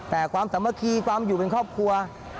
แต่ความสามัคคีความอยู่เป็นครอบครัว